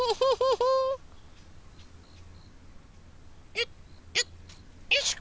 よっよっよいしょ。